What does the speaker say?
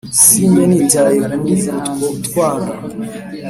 Si mbe nitaye kuri utwo twana